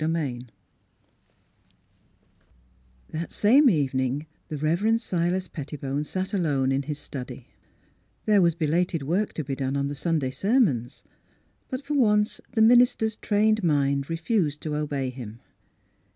XV That same evening the Rev. Silas Petti bone sat alone in his study There was belated work to be done on the Sunday sermons ; but for once the minister's trained mind refused to obey him.